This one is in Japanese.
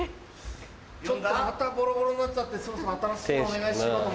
ちょっとまたボロボロになっちゃってそろそろ新しいのをお願いしようかと。